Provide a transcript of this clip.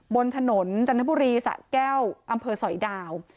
บนถนนจันทบุรีสะแก้วอำเภอสอยดาว